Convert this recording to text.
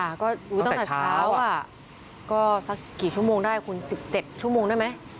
ก็ตั้งแต่เช้าอ่ะก็สักกี่ชั่วโมงได้คุณ๑๗ชั่วโมงได้ไหม